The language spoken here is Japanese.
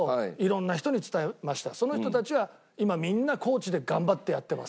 その人たちは今みんなコーチで頑張ってやってます。